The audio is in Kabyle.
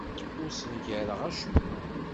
Ur ssengareɣ acemma.